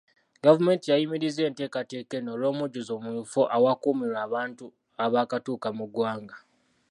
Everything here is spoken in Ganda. Gavumenti yayimiriza enteekateeka eno olw'omujjuzo mu bifo awakuumirwa abantu abaakatuuka mu ggwanga.